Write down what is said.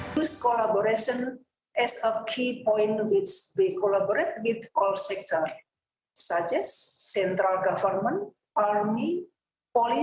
kepala dinas kesehatan dki jakarta menunjukkan bahwa tingkat penyebaran virus covid sembilan belas di dki jakarta menurun bila dibandingkan bulan lalu